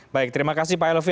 baik terima kasih pak elvi